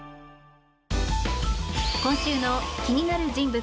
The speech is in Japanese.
今週の気になる人物